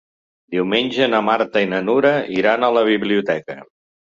Diumenge na Marta i na Nura iran a la biblioteca.